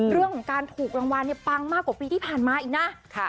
เรื่องของการถูกรางวัลเนี่ยปังมากกว่าปีที่ผ่านมาอีกนะ